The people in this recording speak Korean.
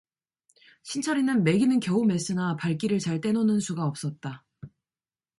신철이는 메기는 겨우 멨으나 발길을 잘 떼놓는 수가 없었다.